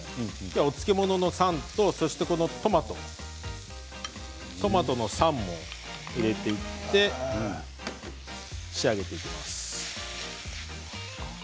お漬物の酸と今日はトマトの酸も入れていって仕上げていきます。